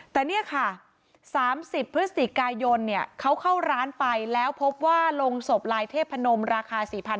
แต่เนี่ยค่ะ๓๐พฤศจิกายนเขาเข้าร้านไปแล้วพบว่าลงศพลายเทพนมราคา๔๐๐